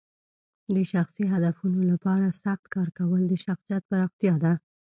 د شخصي هدفونو لپاره سخت کار کول د شخصیت پراختیا ده.